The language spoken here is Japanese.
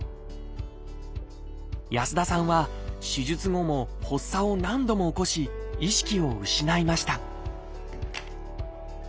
安田さんは手術後も発作を何度も起こし意識を失いました